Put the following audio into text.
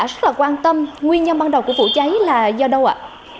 rất là quan tâm nguyên nhân ban đầu của vụ cháy là do đâu ạ